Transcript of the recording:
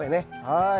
はい。